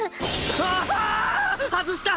ああーっ外した！